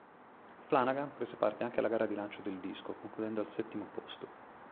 Flanagan prese parte anche alla gara di lancio del disco, concludendo al settimo posto.